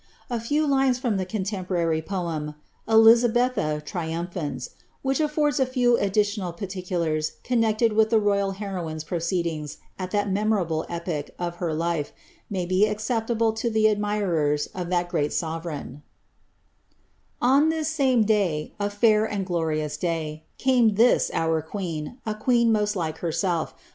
A few lines from the contemporary poem, " Ehw betha Triumplians," which affords a few additional particulars connecieJ with the royal heroine's proceedings at that memorable epoch of her life, may be acceptable to the admirers of that great sovereign : •'On iliis same day~a fait and glotious day— Came this, our queen — a ijucen most like herself.